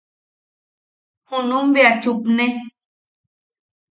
Junum bea chupne.